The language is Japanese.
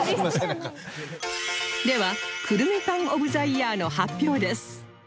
ではくるみパンオブ・ザ・イヤーの発表です